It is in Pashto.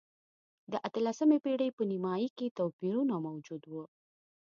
د اتلسمې پېړۍ په نییمایي کې توپیرونه موجود و.